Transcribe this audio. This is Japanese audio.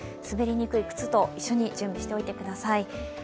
滑りにくい靴と一緒に準備してください。